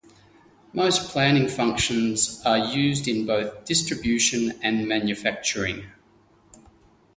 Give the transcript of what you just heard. Most planning functions are used in both Distribution and Manufacturing.